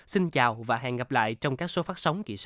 xin chào và hẹn gặp lại trong các số phát sóng kỳ sau